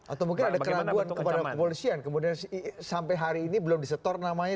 atau mungkin ada keraguan kepada kepolisian kemudian sampai hari ini belum disetor namanya